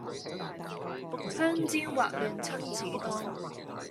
香煎滑嫩親子丼